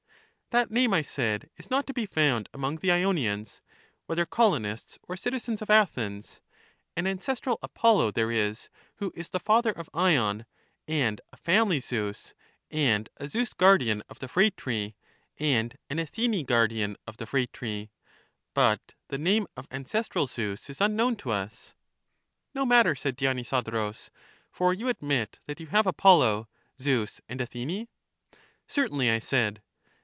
That name, I said, is not to be found among the 268 EUTHYDEMUS lonians, whether colonists or citizens of Athens; an ancestral Apollo there is, who is the father of Ion, and a family Zeus, and a Zeus guardian of the phratry, and an Athene guardian of the phratry. But the name of ancestral Zeus is unknown to us. No matter, said Dionysodorus, for you admit that you have Apollo, Zeus, and Athene. Certainly, I said.